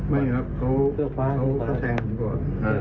ไม่ครับเขาแทงก่อน